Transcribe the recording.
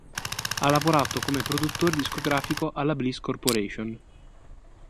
Ha lavorato come produttore discografico alla Bliss Corporation.